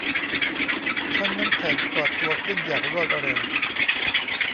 ชั้นน้ำแข็งก่อตัวขึ้นอย่างรวดเร็ว